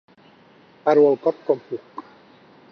Paro el cop com puc.